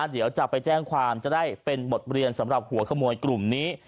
เดี๋ยวจะไปแจ้งความจะได้เป็นบทเรียนสำหรับหัวขโมยกลุ่มนี้